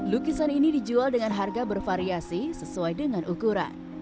lukisan ini dijual dengan harga bervariasi sesuai dengan ukuran